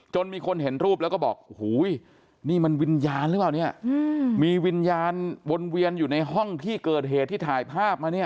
มีคนเห็นรูปแล้วก็บอกโอ้โหนี่มันวิญญาณหรือเปล่าเนี่ยมีวิญญาณวนเวียนอยู่ในห้องที่เกิดเหตุที่ถ่ายภาพมาเนี่ย